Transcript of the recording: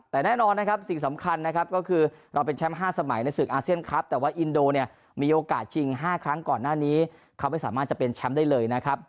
แต่แน่นอนนะครับสิ่งสำคัญนะครับก็คือเราเป็นแชมป์๕สมัยในศึกอาเซียนครับแต่ว่าอินโดเนี่ยมีโอกาสชิง๕ครั้งก่อนหน้านี้เขาไม่สามารถจะเป็นแชมป์ได้เลยนะครับ